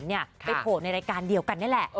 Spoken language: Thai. ไปโผล่ในรายการเดียวกันนี่แหละ